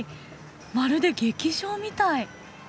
まるで劇場みたい。